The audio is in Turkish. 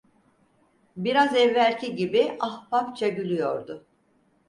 Biraz evvelki gibi ahbapça gülüyordu.